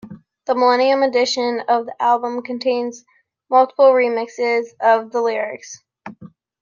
The millennium edition of the album contains multiple remixes and the lyrics.